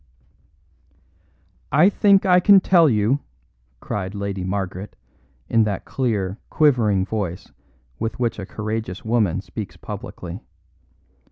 "I think I can tell you," cried Lady Margaret, in that clear, quivering voice with which a courageous woman speaks publicly.